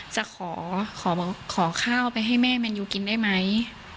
จะขอขอข้าวไปให้แม่แมนยูกินได้ไหม